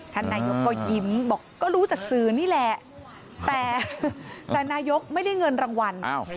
ท่านนายกรัฐมนตรีก็ยิ้มบอกก็รู้จากสื่อนี่แหละแต่ท่านนายกรัฐมนตรีไม่ได้เงินรางวัล